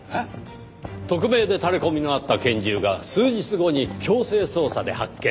匿名でタレコミのあった拳銃が数日後に強制捜査で発見される。